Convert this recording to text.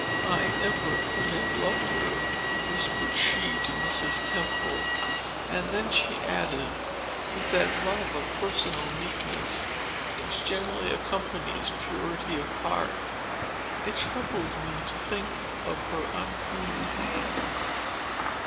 "I never could have loved her," whispered she to Mrs. Temple; and then she added, with that love of personal neatness, which generally accompanies purity of heart:—"It troubles me to think of her unclean hands!"